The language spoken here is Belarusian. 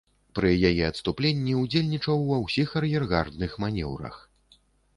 Пры яе адступленні удзельнічаў ва ўсіх ар'ергардных манеўрах.